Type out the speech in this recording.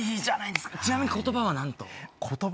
ちなみに言葉は、なんと？